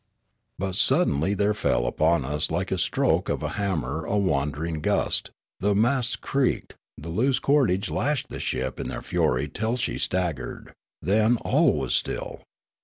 But suddenly there fell upon us like the stroke of a hammer a wandering gust ; the masts creaked, the loose cordage lashed the ship in their fur}' till she stag gered. Then all was still.